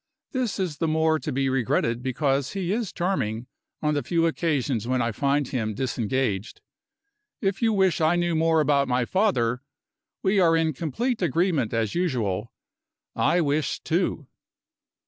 This is the more to be regretted because he is charming, on the few occasions when I find him disengaged. If you wish I knew more about my father, we are in complete agreement as usual I wish, too.